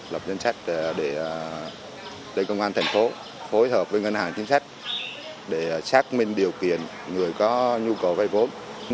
lập danh sách để công an thành phố phối hợp với ngân hàng chính sách để xác minh điều kiện người có nhu cầu vay vốn